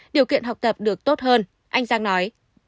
điều kiện học tập được tốt hơn anh giang nói